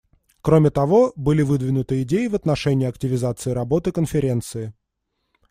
Кроме того, были выдвинуты идеи в отношении активизации работы Конференции.